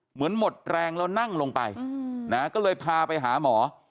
หมดแรงแล้วนั่งลงไปนะก็เลยพาไปหาหมอ